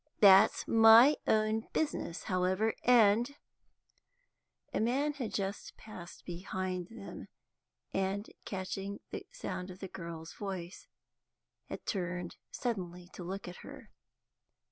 That's my own business, however, and " A man had just passed behind them, and, catching the sound of the girl's voice, had turned suddenly to look at her.